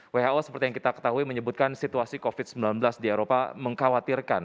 who seperti yang kita ketahui menyebutkan situasi covid sembilan belas di eropa mengkhawatirkan